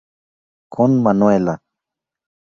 Con "Manuela.